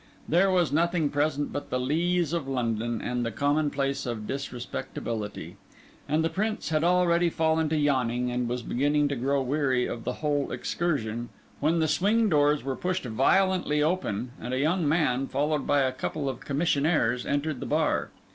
There was nothing present but the lees of London and the commonplace of disrespectability; and the Prince had already fallen to yawning, and was beginning to grow weary of the whole excursion, when the swing doors were pushed violently open, and a young man, followed by a couple of commissionaires, entered the bar.